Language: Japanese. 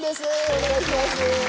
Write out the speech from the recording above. お願いします。